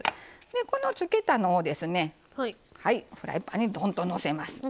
このつけたのをですねはいフライパンにドンとのせます。